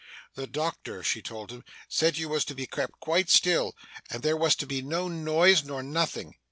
'The doctor,' she told him, 'said you was to be kept quite still, and there was to be no noise nor nothing.